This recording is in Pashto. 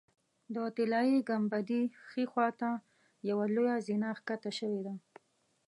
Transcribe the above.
د طلایي ګنبدې ښي خوا ته یوه لویه زینه ښکته شوې ده.